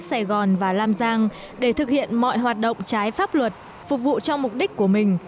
sài gòn và lam giang để thực hiện mọi hoạt động trái pháp luật phục vụ cho mục đích của mình